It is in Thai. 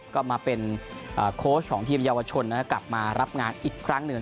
ก็มาเป็นโค้ชของทีมเยาวชนกลับมารับงานอีกครั้งหนึ่ง